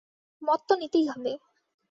মত তো নিতেই হবে।